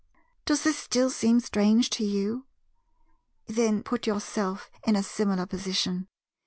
"Does this still seem strange to you? Then put yourself in a similar position.